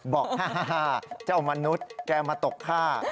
บอกฮ่าเจ้ามนุษย์แกมาตกข้า